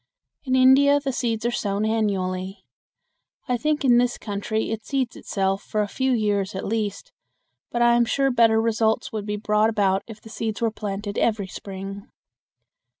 In India the seeds are sown annually. I think in this country it seeds itself for a few years at least, but I am sure better results would be brought about if the seeds were planted every spring.